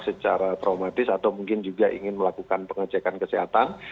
secara traumatis atau mungkin juga ingin melakukan pengecekan kesehatan